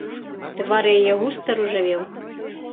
Твар яе густа ружавеў.